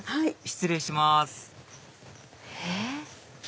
失礼しますえっ？